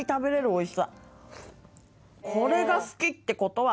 これが好きってことは。